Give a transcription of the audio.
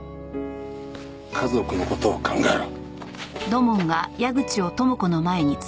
家族の事を考えろ。